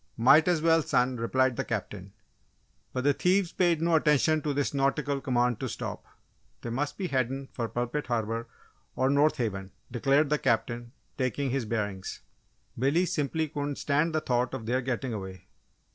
"Might as well, son," replied the Captain. But the thieves paid no attention to this nautical command to stop. "They must be headin' fer Pulpit Harbour, on North Haven," declared the Captain, taking his bearings. Billy simply couldn't stand the thought of their getting away.